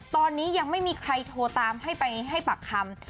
ตอนนี้ยังไม่มีใครโทรตามให้ไปให้ปากคำ